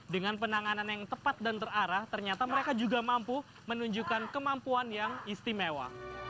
dengan penanganan yang tepat dan terarah ternyata mereka juga mampu menunjukkan kemampuan yang istimewa